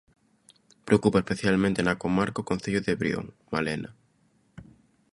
Preocupa especialmente na comarca o concello de Brión, Malena.